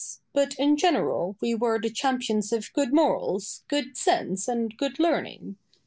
But in general we were the champions of good morals, good sense, and good learning.